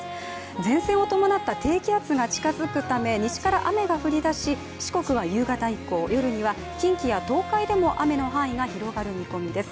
前線を伴った低気圧が近づくため西から雨が降りだし四国は夕方以降夜には近畿や東海でも雨の範囲が広がる見込みです。